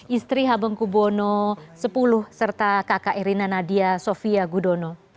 istri habeng kubono x serta kakak erina nadia sofia gudono